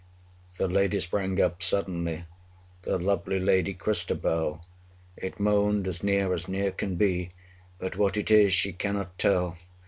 The lady sprang up suddenly, The lovely lady, Christabel! It moaned as near, as near can be, But what it is she cannot tell.